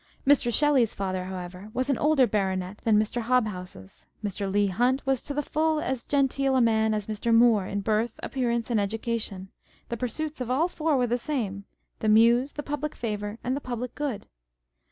Mr. Shelley's father, however, was an older Baronet than Mr. Hob house's â€" Mr. Leigh Hunt was " to the full as genteel a " as Mr. Moore in birth, appearance, and education the pursuits of all four were the same, the Muse, the public favour, and the public good